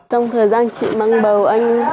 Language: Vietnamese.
trong thời gian chị mang bầu